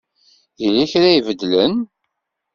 Yella kra ibeddlen?